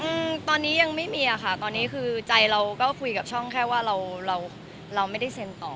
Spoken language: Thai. อืมตอนนี้ยังไม่มีอ่ะค่ะตอนนี้คือใจเราก็คุยกับช่องแค่ว่าเราเราไม่ได้เซ็นต่อ